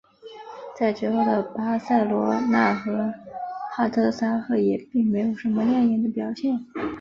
在之后的巴塞罗那和帕特沙赫也并没有什么亮眼的表现。